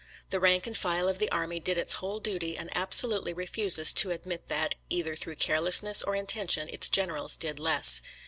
The rank and file of the army did its whole duty and ab solutely refuses to admit that, either through carelessness or intention, its generals did less.